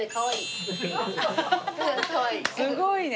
すごいね。